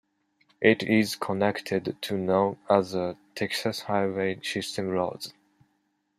It is connected to no other Texas highway system roads.